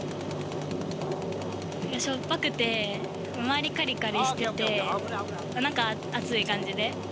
しょっぱくて、周りかりかりしてて、中、熱い感じで。